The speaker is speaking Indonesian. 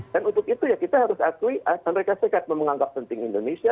dan untuk itu ya kita harus akui amerika serikat menganggap penting indonesia